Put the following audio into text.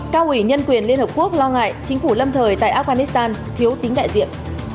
cao ủy nhân quyền liên hợp quốc lo ngại chính phủ lâm thời tại afghanistan thiếu tính đại diện